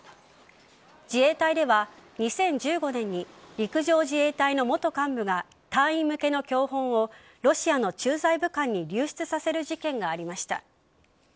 自衛隊では２０１５年に陸上自衛隊の元幹部が隊員向けの教本をロシアの駐在武官に流出させる事件がありました。